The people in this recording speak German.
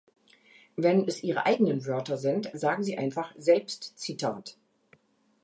Wenn es Ihre eigenen Wörter sind, sagen Sie einfach „Selbstzitat“.